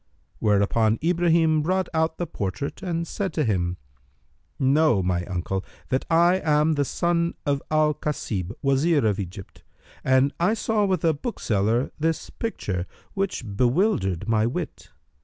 whereupon Ibrahim brought out the portrait and said to him, "Know, O uncle, that I am the son of Al Kasib, Wazir of Egypt, and I saw with a bookseller this picture, which bewildered my wit.